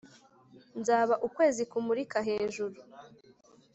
nzaba ukwezi kumurika hejuru,